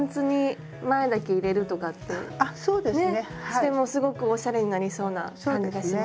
してもすごくおしゃれになりそうな感じがします。